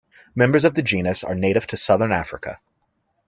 Members of the genus are native to southern Africa.